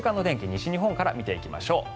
西日本から見ていきましょう。